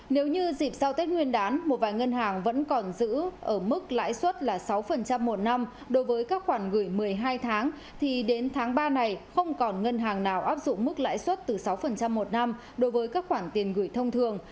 nếu như dịp sau tết nguyên đán một vài ngân hàng vẫn còn giữ ở mức lãi suất là sáu một năm đối với các khoản gửi một mươi hai tháng thì đến tháng ba này không còn ngân hàng nào áp dụng mức lãi suất từ sáu một năm đối với các khoản tiền gửi thông thường